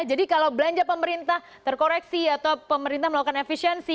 jadi kalau belanja pemerintah terkoreksi atau pemerintah melakukan efisiensi